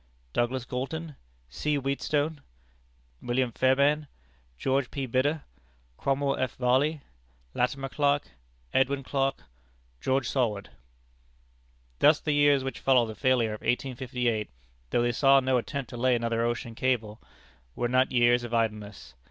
Douglas Galton, C. Wheatstone, Wm. Fairbairn, Geo. P. Bidder, Cromwell F. Varley, Latimer Clark, Edwin Clark, Geo. Saward." Thus the years which followed the failure of 1858 though they saw no attempt to lay another ocean cable were not years of idleness.